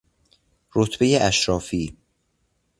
رتبهی اشرافی